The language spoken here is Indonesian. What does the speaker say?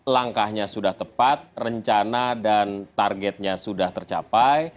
langkahnya sudah tepat rencana dan targetnya sudah tercapai